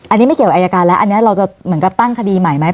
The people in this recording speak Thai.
อันนี้ไม่เกี่ยวกับอายการแล้วอันนี้เราจะเหมือนกับตั้งคดีใหม่ไหม